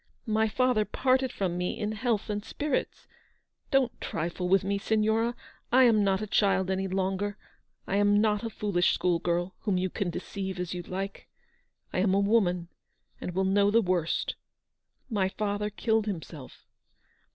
My father parted from me in health and spirits. Don't trifle with me, Signora ; I am not a child any longer, I am not a foolish school girl, whom you can deceive as you like. I am a woman, and will know the worst. My father killed himself!"